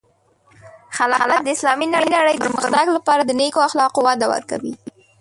خلافت د اسلامی نړۍ د پرمختګ لپاره د نیکو اخلاقو وده ورکوي.